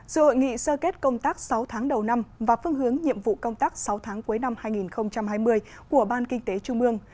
sự hội nghị sơ kết công tác sáu tháng đầu năm và phương hướng nhiệm vụ công tác sáu tháng cuối năm hai nghìn hai mươi của ban kinh tế trung ương